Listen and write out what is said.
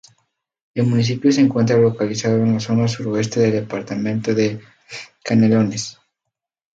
El municipio se encuentra localizado en la zona sur-oeste del departamento de Canelones.